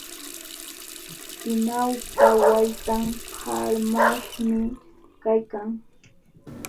Pinawpa waytan qarmaśhmi kaykan.